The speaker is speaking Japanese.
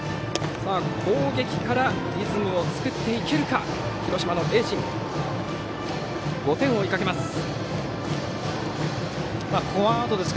攻撃からリズムを作っていけるか広島の盈進、５点を追いかけます。